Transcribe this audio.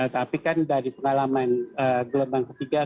tapi kan dari pengalaman gelombang ketiga